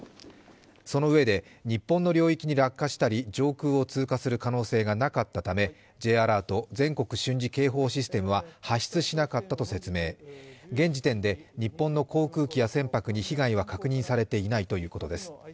そのうえで、日本の領域に落下したり、上空を通過する可能性がなかったため、Ｊアラート＝全国瞬時警報システムは発出しなかったと説明、現時点で日本の航空機や船舶に被害は確認されていないということです。